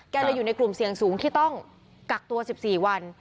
เลยอยู่ในกลุ่มเสี่ยงสูงที่ต้องกักตัว๑๔วัน